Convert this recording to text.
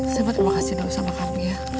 saya mau terima kasih sama kamu ya